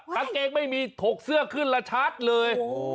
กางเกงไม่มีถกเสื้อขึ้นละชัดเลย